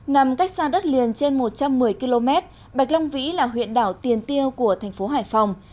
nằm cách xa đất liền trên một trăm một mươi km bạch long vĩ là huyện đảo tiền tiêu của thành phố hải phòng